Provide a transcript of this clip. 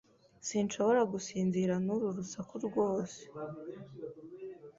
Sinshobora gusinzira nuru rusaku rwose.